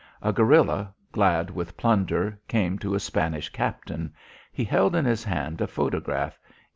A guerilla, glad with plunder, came to a Spanish captain. He held in his hand a photograph.